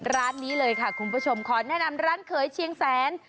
ร้านนี้เลยค่ะคุณผู้ชมขอแนะนำร้านเขยเชียงแสน